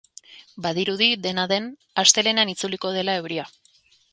Badirudi, dena den, astelehenean itzuliko dela euria.